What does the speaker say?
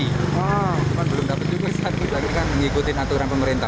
cuma belum dapat juga tapi kan mengikuti aturan pemerintah